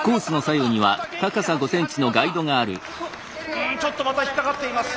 うんちょっとまた引っ掛かっています。